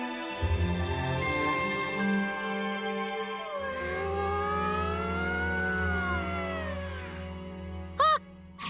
うわあ！あっ！